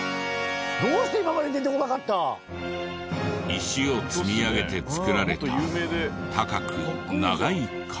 石を積み上げて造られた高く長い壁。